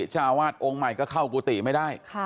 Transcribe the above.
เจ้าอาวาสองค์ใหม่ก็เข้ากุฏิไม่ได้